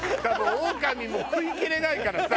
オオカミも食いきれないからさ。